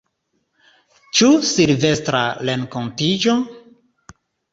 Ĉu Silvestra renkontiĝo?